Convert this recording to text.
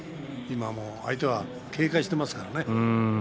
相手は警戒していますからね。